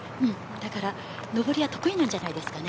だから上りは得意なんじゃないですかね。